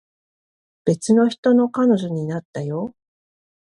別の人の彼女になったよ